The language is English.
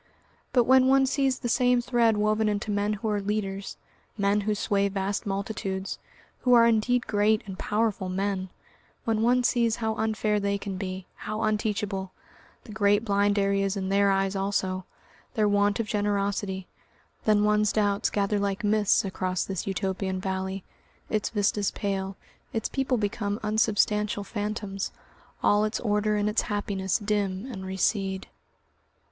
But when one sees the same thread woven into men who are leaders, men who sway vast multitudes, who are indeed great and powerful men; when one sees how unfair they can be, how unteachable, the great blind areas in their eyes also, their want of generosity, then one's doubts gather like mists across this Utopian valley, its vistas pale, its people become unsubstantial phantoms, all its order and its happiness dim and recede....